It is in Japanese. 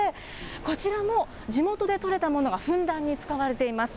こちらも地元で取れたものがふんだんに使われています。